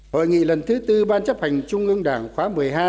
hội nghị lần thứ tư ban chấp hành trung ương đảng khóa một mươi hai